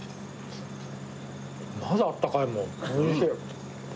まだあったかいもんおいしい